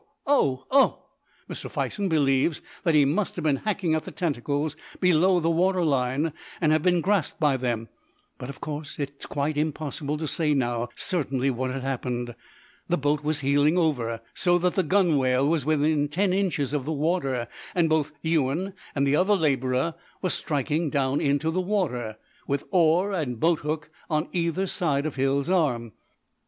oh! oh!" Mr. Fison believes that he must have been hacking at the tentacles below the water line, and have been grasped by them, but, of course, it is quite impossible to say now certainly what had happened. The boat was heeling over, so that the gunwale was within ten inches of the water, and both Ewan and the other labourer were striking down into the water, with oar and boathook, on either side of Hill's arm.